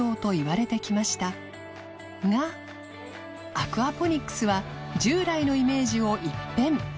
アクアポニックスは従来のイメージを一変磧弔